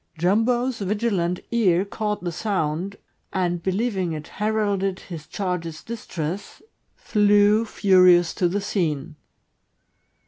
Jumbo's vigilant ear caught the sound, and believing it heralded his charge's distress, flew, furious, to the scene.